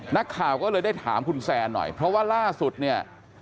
นักข่าวก็เลยได้ถามคุณแซนหน่อยเพราะว่าล่าสุดเนี่ย